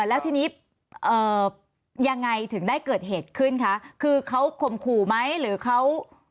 แล้วทีนี้ยังไงถึงได้เกิดเหตุขึ้นคะคือเขาข่มขู่ไหมหรือเขา